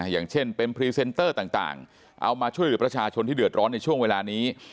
อย่างเช่นเป็นพรีเซนเตอร์ต่างเอามาช่วยเหลือประชาชนที่เดือดร้อนในช่วงเวลานี้